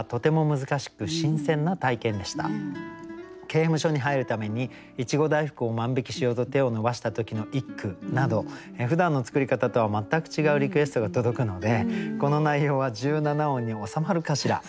「刑務所に入るためにいちご大福を万引きしようと手を伸ばした時の一句などふだんの作り方とは全く違うリクエストが届くのでこの内容は十七音に収まるかしら？